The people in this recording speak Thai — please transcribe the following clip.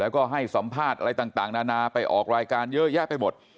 แล้วก็ให้สัมภาษณ์อะไรต่างนานาไปออกรายการเยอะแยะไปหมด